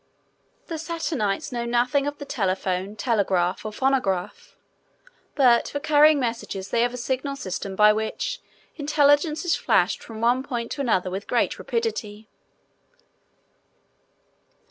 The Saturnites know nothing of the Telephone, Telegraph, or Phonograph. But for carrying messages they have a signal system by which intelligence is flashed from one point to another with great rapidity.